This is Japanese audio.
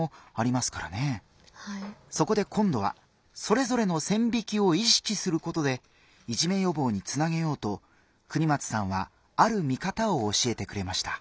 そこで今度はそれぞれの線引きを意識することでいじめ予防につなげようと國松さんはある見方を教えてくれました。